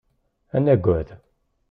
Ad nagad.